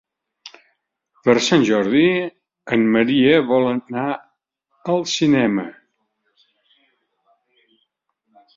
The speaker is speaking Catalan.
Per Sant Jordi en Maria vol anar al cinema.